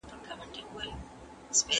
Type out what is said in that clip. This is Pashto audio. د ګروپ رڼا ته مطالعه کول ستونزمن وو.